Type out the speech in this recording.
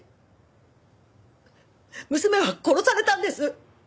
娘は殺されたんです！